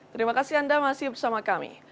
terima kasih anda masih bersama kami